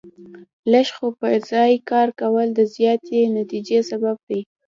لږ خو په ځای کار کول د زیاتې نتیجې سبب دی.